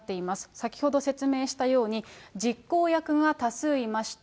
先ほど説明したように、実行役が多数いまして、